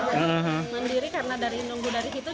mandiri karena dari nunggu dari situ